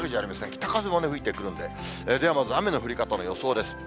北風も吹いてくるので、ではまず雨の降り方の予想です。